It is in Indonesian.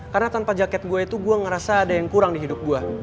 karena tanpa jaket gue itu gue ngerasa ada yang kurang di hidup gue